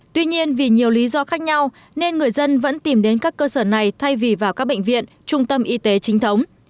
tuy nhiên vì nhiều lý do khác nhau nên người dân vẫn tìm đến các cơ sở này thay vì vào các bệnh viện trung tâm y tế chính thống